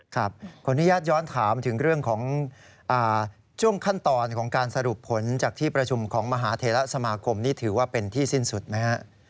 ขออนุญาตย้อนถามถึงเรื่องของช่วงขั้นตอนของการสรุปผลจากที่ประชุมของมหาเทระสมาคมนี่ถือว่าเป็นที่สิ้นสุดไหมฮะ